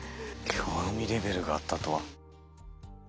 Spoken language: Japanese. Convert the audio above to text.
興味レベルがあったとは。